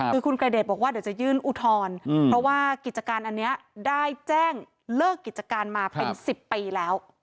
คือคุณไกรเดชบอกว่าเดี๋ยวจะยื่นอุทธรณ์เพราะว่ากิจการอันนี้ได้แจ้งเลิกกิจการมาเป็น๑๐ปีแล้ว